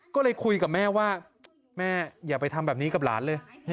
ก็เลยคุยกับแม่ว่าแม่อย่าไปทำแบบนี้กับหลานเลย